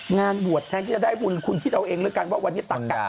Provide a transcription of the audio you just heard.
งานบวชแทนที่จะได้บุญคุณคิดเอาเองแล้วกันว่าวันนี้ตักกะ